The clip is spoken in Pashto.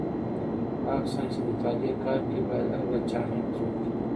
هغه کسان چې د مطالعې کار کوي باید هره ورځ چهارمغز وخوري.